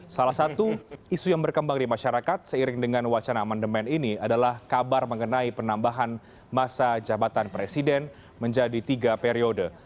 salah satu isu yang berkembang di masyarakat seiring dengan wacana amandemen ini adalah kabar mengenai penambahan masa jabatan presiden menjadi tiga periode